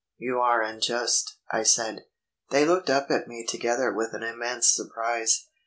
"You are unjust," I said. They looked up at me together with an immense surprise.